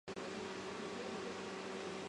城市的居民主要是马来诺人。